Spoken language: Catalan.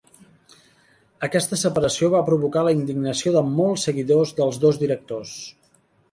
Aquesta separació va provocar la indignació de molts seguidors dels dos directors.